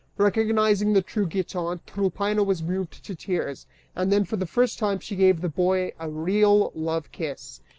Recognizing the real Giton, Tryphaena was moved to tears, and then for the first time she gave the boy a real love kiss.